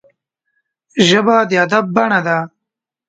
ژبه د ادب بڼه ده